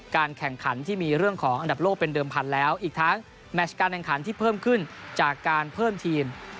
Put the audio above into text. แข่งขันที่มีเรื่องของอันดับโลกเป็นเดิมพันธุ์แล้วอีกทั้งแมชการแข่งขันที่เพิ่มขึ้นจากการเพิ่มทีม